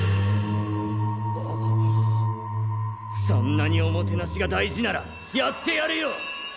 そんなにおもてなしが大事ならやってやるよ！